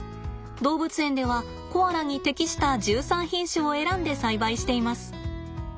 動物園ではコアラに適した１３品種を選んで栽培しています。